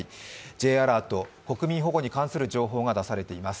Ｊアラート、国民保護に関する情報が出されています。